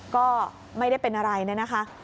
ก็ไม่ได้เป็นอะไรนะคะ